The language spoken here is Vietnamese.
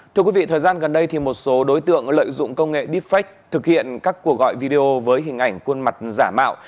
thưa quý vị thời gian gần đây một số đối tượng lợi dụng công nghệ deepfake thực hiện các cuộc gọi video với hình ảnh khuôn mặt giả mạo